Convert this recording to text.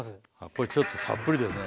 これちょっとたっぷりでね